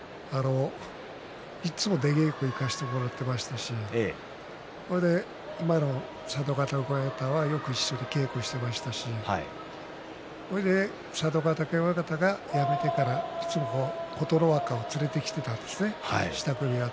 いつも出稽古に行かせてもらっていましたし今の佐渡ヶ嶽親方はよく一緒に稽古をしていましたしそれで佐渡ヶ嶽親方が辞めてからいつも琴ノ若を連れて来ていたんですね